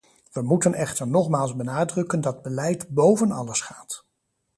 We moeten echter nogmaals benadrukken dat beleid boven alles gaat.